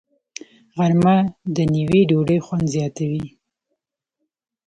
غرمه د نیوي ډوډۍ خوند زیاتوي